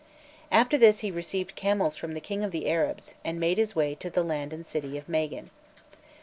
After this he received camels from the king of the Arabs, and made his way to the land and city of Magan.